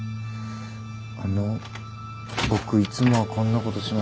あの僕いつもはこんなことしません。